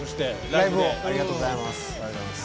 ライブをありがとうございます。